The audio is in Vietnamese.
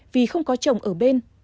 vì không có chồng ở bên